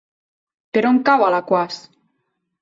Per on cau Alaquàs?